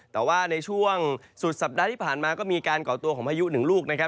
แต่ว่าในช่วงสุดสัปดาห์ที่ผ่านมาก็มีการก่อตัวของพายุหนึ่งลูกนะครับ